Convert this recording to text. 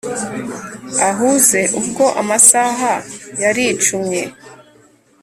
ahuzeubwo amasaha yaricumye